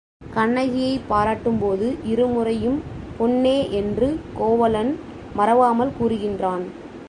கண்ணகியைப் பாராட்டும் போது இருமுறையும் பொன்னே என்று கோவலன் மறவாமல் கூறுகின்றான்.